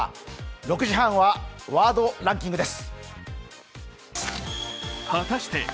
６時半はワードランキングです。